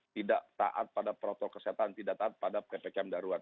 tidak taat pada protokol kesehatan tidak taat pada ppkm darurat